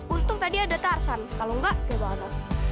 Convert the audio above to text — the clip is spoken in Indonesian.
untung tadi ada tarzan kalau enggak dia baru